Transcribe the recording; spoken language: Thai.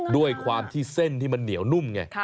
ด้วยความที่เส้นที่มันเหนียวนุ่มไง